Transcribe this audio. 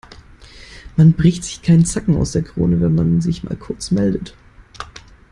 Man bricht sich keinen Zacken aus der Krone, wenn man sich mal kurz meldet.